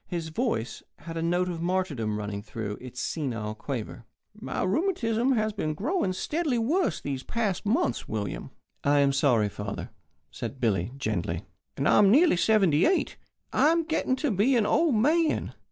His voice had a note of martyrdom running through its senile quaver. "My rheumatism has been growing steadily worse these past months, William." "I am sorry, father," said Billy, gently. "And I am nearly seventy eight. I am getting to be an old man.